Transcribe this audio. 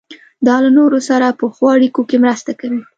دا له نورو سره په ښو اړیکو کې مرسته کوي.